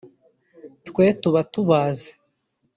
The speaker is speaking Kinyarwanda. “Twe tuba tubazi